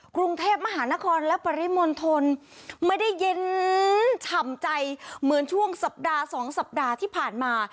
กรุงเทพมหานครและปริมณฑลไม่ได้เย็นฉ่ำใจเหมือนช่วงสัปดาห์สองสัปดาห์ที่ผ่านมา